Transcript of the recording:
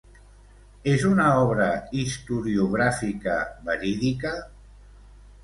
És una obra historiogràfica verídica?